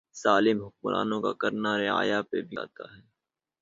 ظالم حکمرانوں کا کرنا رعایا پہ بھی آتا ھے